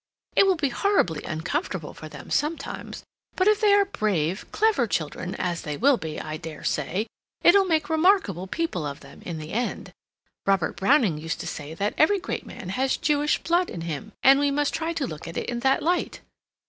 "It will be horribly uncomfortable for them sometimes, but if they are brave, clever children, as they will be, I dare say it'll make remarkable people of them in the end. Robert Browning used to say that every great man has Jewish blood in him, and we must try to look at it in that light.